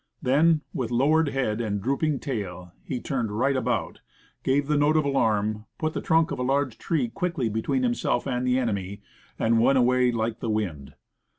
Then, with lowered head and drooping tail, he turned right about, gave the note of alarm, put the trunk of a large tree quickly between himself and the enemy, and went away like the wind.